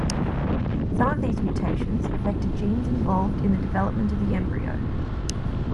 Some of these mutations affected genes involved in the development of the embryo.